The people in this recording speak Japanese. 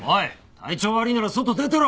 体調悪ぃなら外出てろ！